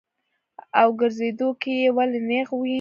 او ګرځېدو کښې ئې ولي نېغ وي -